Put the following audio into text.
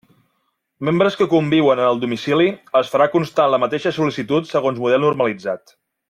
Membres que conviuen en el domicili, es farà constar en la mateixa sol·licitud segons model normalitzat.